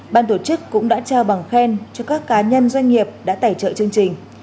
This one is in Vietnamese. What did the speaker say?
ban tổ chức cũng đã trao bằng khen cho các cá nhân doanh nghiệp đã tài trợ chương trình